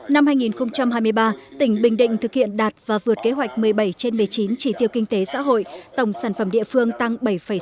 năm hai nghìn hai mươi ba tỉnh bình định thực hiện đạt và vượt kế hoạch một mươi bảy trên một mươi chín chỉ tiêu kinh tế xã hội tổng sản phẩm địa phương tăng bảy sáu mươi